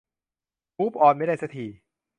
มูฟออนไม่ได้สักที